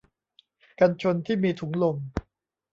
กันชนที่มีถุงลม